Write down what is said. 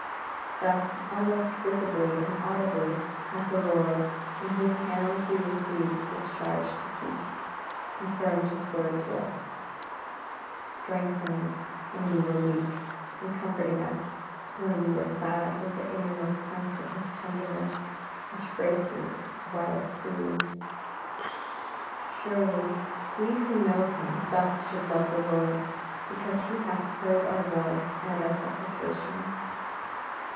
Thus almost visibly and audibly has the Lord, from whose hands we received this charge to keep, confirmed His word to us, strengthening us when we were weak, and comforting us when we were sad with that innermost sense of His tenderness which braces while it soothes. Surely we who know Him thus should love the Lord because He hath heard our voice and our supplication.